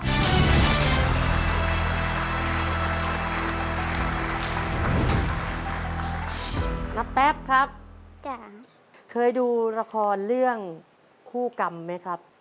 ขอเชิญนับแป๊บขึ้นมาต่อชีวิตเป็นคนต่อไปครับ